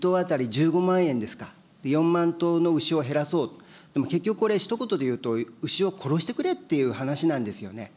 今、１頭当たり１５万円ですか、４万頭の牛を減らそう、結局これ、ひと言で言うと、牛を殺してくれっていう話なんですよね。